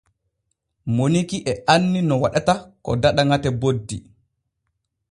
Moniki e anni no waɗata ko daɗa ŋate boddi.